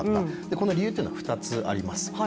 この理由というのは２つあります。